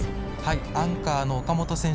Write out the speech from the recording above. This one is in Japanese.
アンカーの岡本選手